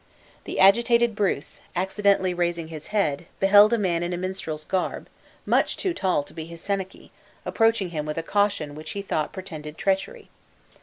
The agitated Bruce, accidentally raising his head, beheld a man in a minstrel's garb, much to tall to be his senachie, approaching him with a caution which he thought portended treachery.